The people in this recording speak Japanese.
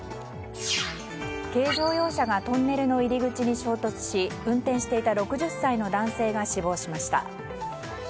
軽乗用車がトンネルの入り口に衝突し運転していた６０歳の男性が死亡しました。